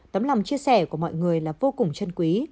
tấm lòng chia sẻ của mọi người là vô cùng chân quý